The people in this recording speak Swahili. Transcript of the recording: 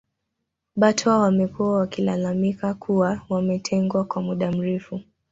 Batwa wamekuwa wakilalamika kuwa wametengwa kwa muda mrefu